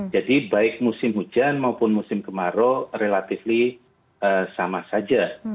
jadi baik musim hujan maupun musim kemarau relatif sama saja